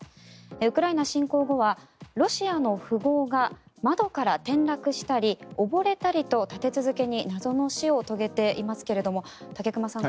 ウクライナ侵攻後はロシアの富豪が窓から転落したり溺れたりと立て続けに謎の死を遂げていますが武隈さん